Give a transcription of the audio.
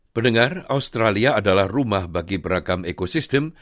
pendengar australia adalah rumah bagi beragam ekosistem